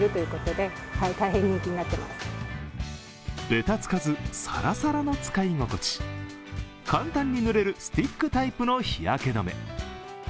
べたつかず、サラサラの使い心地簡単に塗れるスティックタイプの日焼け止め。